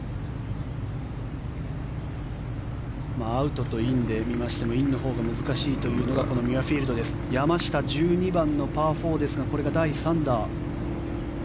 アウトとインで見ましてもインのほうが難しいというのがこのミュアフィールドです山下、１２番のパー４ですがこれが第３打。